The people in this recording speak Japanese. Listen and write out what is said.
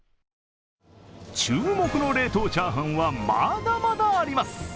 注目の冷凍チャーハンはまだまだあります。